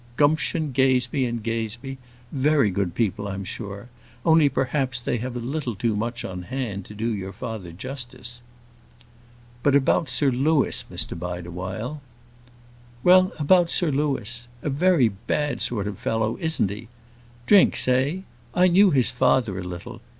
Gumption, Gazebee & Gazebee: very good people, I'm sure; only, perhaps, they have a little too much on hand to do your father justice." "But about Sir Louis, Mr Bideawhile." "Well, about Sir Louis; a very bad sort of fellow, isn't he? Drinks eh? I knew his father a little.